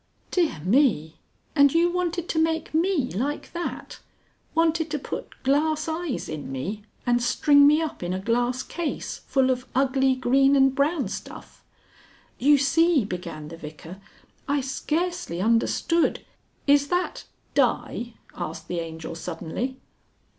"Dear me! And you wanted to make me like that wanted to put glass eyes in me and string me up in a glass case full of ugly green and brown stuff?" "You see," began the Vicar, "I scarcely understood " "Is that 'die'?" asked the Angel suddenly.